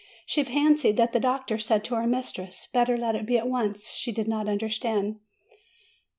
She fancied that the doctor said to her mistress, "Better let it be at once." She did not understand.